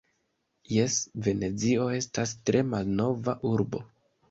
Jes, Venezio estas tre malnova urbo.